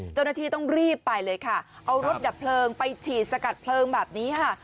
เจ้าหน้าที่ต้องรีบไปเลยค่ะเอารถดับเพลิงไปฉีดสกัดเพลิงแบบนี้ค่ะ